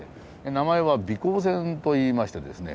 名前は美幸線といいましてですね。